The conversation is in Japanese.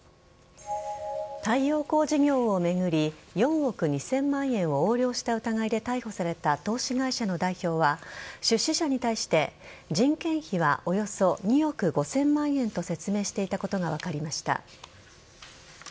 太陽光事業を巡り４億２０００万円を横領した疑いで逮捕された投資会社の代表は出資者に対して人件費はおよそ２億５０００万円と説明していたことが分かりました。